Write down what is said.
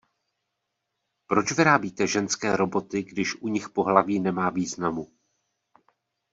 Proč vyrábíte ženské Roboty, když u nich pohlaví nemá významu?